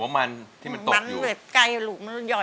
มันมันเยาว์ยกเลย